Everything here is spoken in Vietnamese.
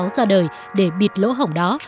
ra đời để bịt lỗ hổng đó